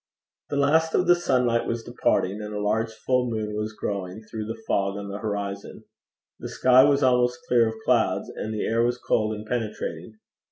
The last of the sunlight was departing, and a large full moon was growing through the fog on the horizon. The sky was almost clear of clouds, and the air was cold and penetrating.